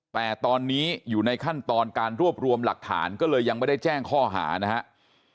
แต่ตอนนี้อยู่ในขั้นตอนการรวบรวมหลักฐานก็เลยยังไม่ได้แจ้งข้อหานะครับ